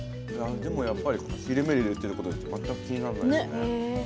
でもやっぱり切れ目入れてることで全く気になんないっすね。